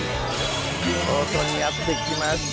京都にやってきました。